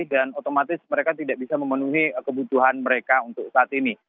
dan otomatis mereka tidak bisa memenuhi kebutuhan mereka untuk saat ini